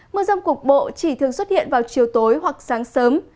mưa rông cục bộ chỉ thường xuất hiện vào chiều tối hoặc sáng sớm